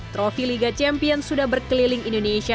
trofi liga champions sudah berkeliling indonesia